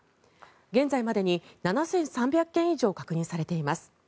現在までに７３００件以上確認されています。